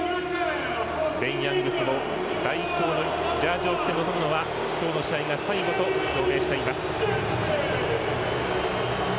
ベン・ヤングスも代表のジャージを着て臨むのは今日の試合が最後と表明しています。